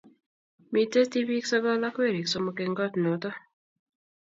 Mitei tibiik sokol ak weriik somok eng kot noto